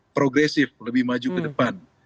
progresif lebih maju ke depan